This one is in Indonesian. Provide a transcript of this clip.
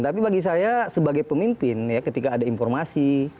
tapi bagi saya sebagai pemimpin ya ketika ada informasi